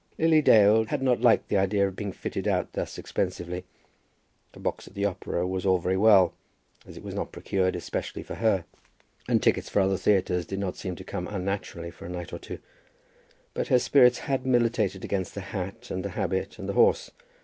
Lily Dale had not liked the idea of being fitted out thus expensively. A box at the opera was all very well, as it was not procured especially for her. And tickets for other theatres did not seem to come unnaturally for a night or two. But her spirit had militated against the hat and the habit and the horse.